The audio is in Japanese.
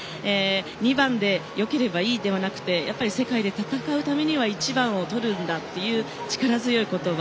２番でよければいいではなくて世界で戦うためには１番を取るんだという力強い言葉。